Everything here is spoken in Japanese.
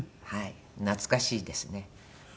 懐かしいですね。